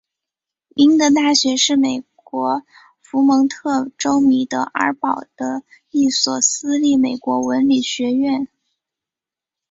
明德大学是美国佛蒙特州米德尔堡的一所私立美国文理学院。